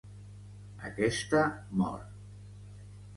Aquesta mor.